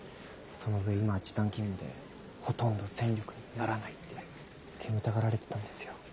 その上今は時短勤務でほとんど戦力にならないって煙たがられてたんですよ。